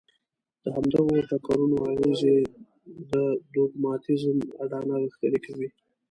د همدغو ټکرونو اغېزې د دوګماتېزم اډانه غښتلې کوي.